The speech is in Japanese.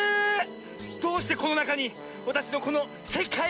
どうしてこのなかにわたしのこのせかい